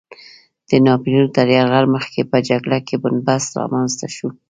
د ناپیلیون تر یرغل مخکې په جګړه کې بن بست رامنځته شو.